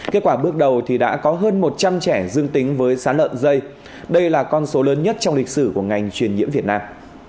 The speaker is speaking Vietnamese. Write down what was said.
kết quả bước đầu thì đã có hơn một trăm linh trẻ dương tính với sán lợn dây đây là con số lớn nhất trong lịch sử của ngành truyền nhiễm việt nam